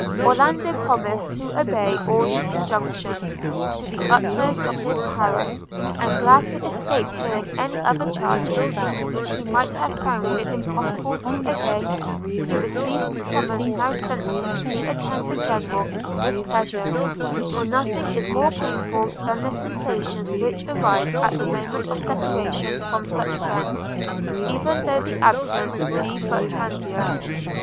Orlando promised to obey all these injunctions, to the utmost of his power; and glad to escape hearing any other charges, which he might have found it impossible to obey, he received the summons now sent to him to attend the General with pleasure; for nothing is more painful than the sensations which arise at the moment of separation from such friends, even though the absence be but transient.